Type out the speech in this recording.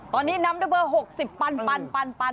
ตอนนี้นำด้วยเบอร์๖๐ปัน